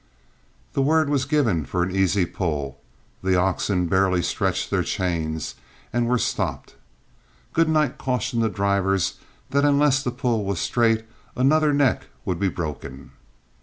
The word was given for an easy pull, the oxen barely stretched their chains, and were stopped. Goodnight cautioned the drivers that unless the pull was straight ahead another neck would be broken.